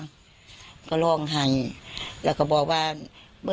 สงสันหนูเนี่ยว่าสงสันหนูเนี่ยมีกระทิแววออกได้จังไหน